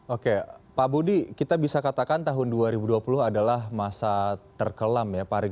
oke pak budi kita bisa katakan tahun dua ribu dua puluh adalah masa terkelam ya